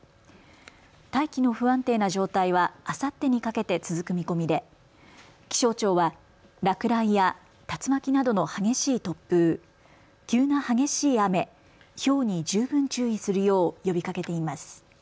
大気の不安定な状態はあさってにかけて続く見込みで気象庁は落雷や竜巻などの激しい突風、急な激しい雨、ひょうに十分注意するよう呼びかけています。